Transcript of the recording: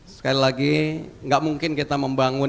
sekali lagi nggak mungkin kita membangun